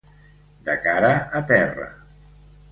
De cara a terra.